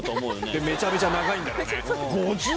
めちゃめちゃ長いんだろうね。